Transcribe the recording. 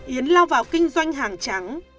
yến lao vào kinh doanh hàng trắng